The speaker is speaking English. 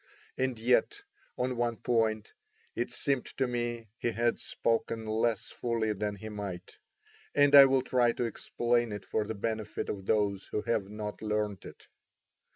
And yet, on one point, it seemed to me he had spoken less fully than he might; and I will try to explain it for the benefit of those who have not learnt it.